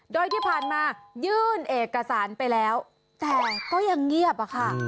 โดยที่ผ่านมายื่นเอกสารไปแล้วแต่ก็ยังเงียบอะค่ะ